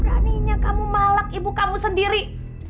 beraninya kamu malak ibu kamu sendiri